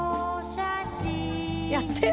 やって！